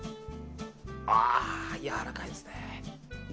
やわらかいですね。